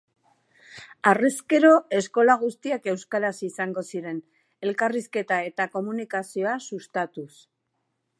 Harrezkero eskola guztiak euskaraz izango ziren, elkarrizketa eta komunikazioa sustatuz.